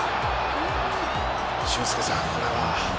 俊輔さん、これは？